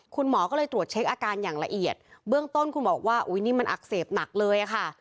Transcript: คุณหมอก็เลยตรวจเช็คอาการอย่างละเอียดเบื้องต้นคุณบอกว่าอุ้ยนี่มันอักเสบหนักเลยค่ะ